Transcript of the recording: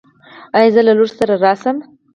ایا زه له لور سره راشم؟